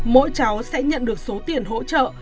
mỗi cháu sẽ nhận được số tiền hỗ trợ